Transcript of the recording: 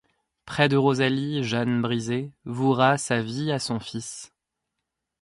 Près de Rosalie, Jeanne brisée, vouera sa vie à son fils.